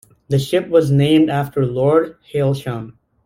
The ship was named after Lord Hailsham.